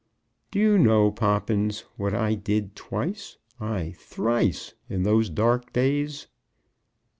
"Do you know, Poppins, what I did twice, ay, thrice, in those dark days?"